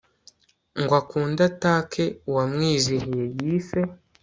ngo akunde atake uwamwizihiye yise